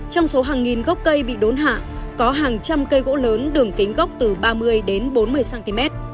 trong số hàng nghìn gốc cây bị đốn hạ có hàng trăm cây gỗ lớn đường kính gốc từ ba mươi đến bốn mươi cm